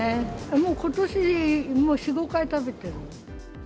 もうことし、もう４、５回食べてる。